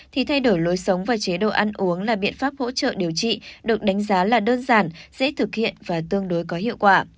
thì thay đổi lối sống và chế độ ăn uống là biện pháp hỗ trợ điều trị được đánh giá là đơn giản dễ thực hiện và tương đối có hiệu quả